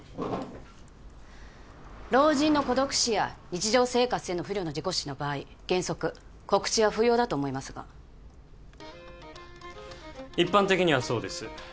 老人の孤独死や日常生活での不慮の事故死の場合原則告知は不要だと思いますが一般的にはそうです